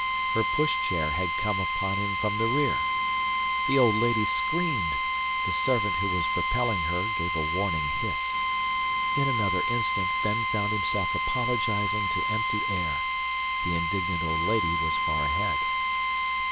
Her push chair had come upon him from the rear. The old lady screamed; the servant who was propelling her gave a warning hiss. In another instant Ben found himself apologizing to empty air. The indignant old lady was far ahead.